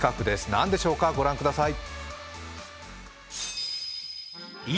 何でしょうか、ご覧ください。